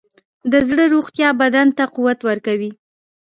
د زړه روغتیا بدن ته قوت ورکوي.